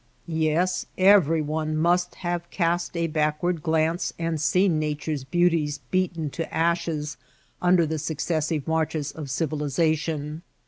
Yes ; everyone must have cast a backward glance and seen Nature^s beauties beaten to ashes under the successive marches of civilization.